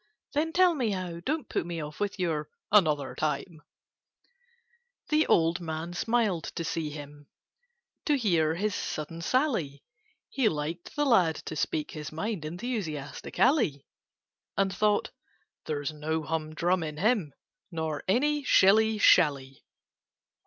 Then tell me how! Don't put me off With your 'another time'!" The old man smiled to see him, To hear his sudden sally; He liked the lad to speak his mind Enthusiastically; And thought "There's no hum drum in him, Nor any shilly shally."